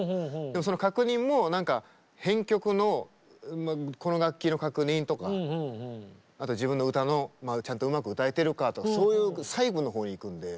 でもその確認も編曲のこの楽器の確認とか自分の歌のちゃんとうまく歌えてるかとかそういう細部の方にいくんで。